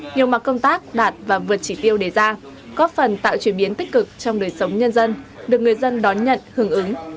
nhiều mặt công tác đạt và vượt chỉ tiêu đề ra có phần tạo chuyển biến tích cực trong đời sống nhân dân được người dân đón nhận hưởng ứng